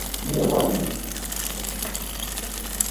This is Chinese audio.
冀中解放区设。